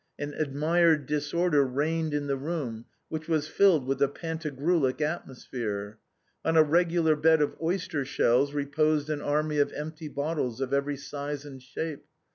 An admired disorder reigned in the room which was filled with a Pantagruelic atmosphere. On a regular bed of oyster shells reposed an army of empty bottles of every size and shape.